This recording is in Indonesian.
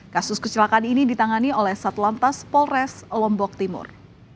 kasus kecelakaan ini ditangani oleh satlantas polres lombok timur